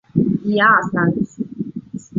有子五人